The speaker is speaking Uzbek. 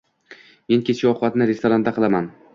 Men kechki ovqatni restoranda qilaman.